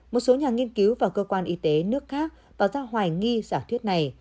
một số nhà nghiên cứu và cơ quan y tế nước khác tỏ ra hoài nghi giả thuyết này